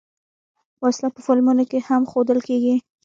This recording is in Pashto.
وسله په فلمونو کې هم ښودل کېږي